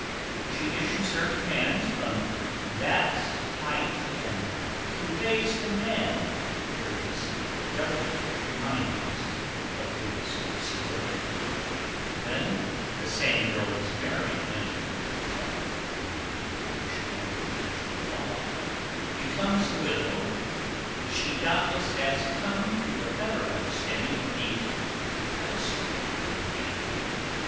She issues her commands from that height and conveys to man various delicate reminders of his servility. [Sidenote: The Pedestal Idea] When the same girl is married and by due operation of natural law becomes a widow, she doubtless has come to a better understanding of the pedestal idea.